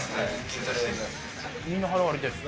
みんな腹割れてるの？